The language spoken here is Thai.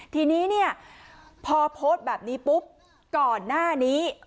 ทีนี้เนี่ยพอโพสต์แบบนี้ปุ๊บก่อนหน้านี้